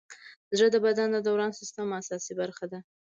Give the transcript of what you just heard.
زړه د بدن د دوران سیسټم اساسي برخه ده.